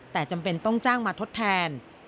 แต่จำเป็นต้องจ้างมาทดแทน